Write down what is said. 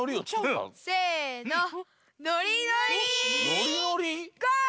ノリノリゴー！